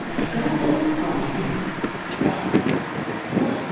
あっほら